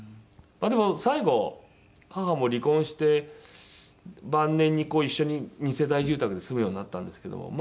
でも最後母も離婚して晩年にこう一緒に二世帯住宅で住むようになったんですけども。